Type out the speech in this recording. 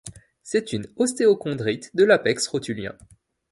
C'est une ostéochondrite de l'apex rotulien.